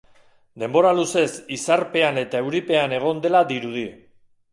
Denbora luzez izarpean eta euripean egon dela dirudi.